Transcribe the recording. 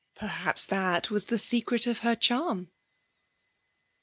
Perhaps that was the secret of her charm.